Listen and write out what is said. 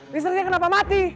misternya kenapa mati